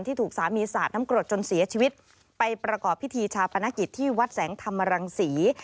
ถูกสามีสาดน้ำกรดจนเสียชีวิตไปประกอบพิธีชาปนกิจที่วัดแสงธรรมรังศรี